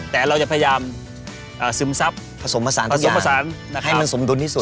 แต่เราจะพยายามซึมซับผสมผสานผสมผสานให้มันสมดุลที่สุด